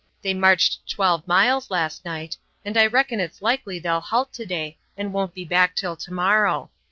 They marched twelve miles last night, and I reckon it's likely they'll halt to day and won't be back till to morrow.